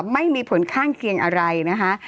ไม่มีผลข้างเคียงอะไรนะคะ